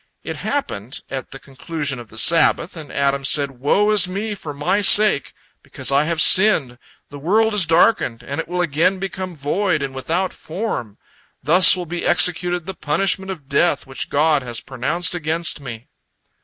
It happened at the conclusion of the Sabbath, and Adam said, "Woe is me! For my sake, because I sinned, the world is darkened, and it will again become void and without form. Thus will be executed the punishment of death which God has pronounced against me!"